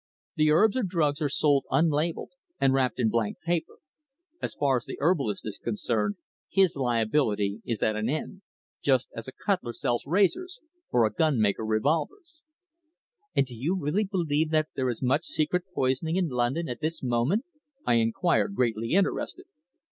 The herbs or drugs are sold unlabelled, and wrapped in blank paper. As far as the herbalist is concerned, his liability is at an end, just as a cutler sells razors, or a gun maker revolvers." "And do you really believe that there is much secret poisoning in London at this moment?" I inquired, greatly interested.